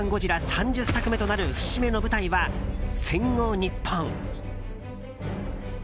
３０作目となる節目の舞台は、戦後日本。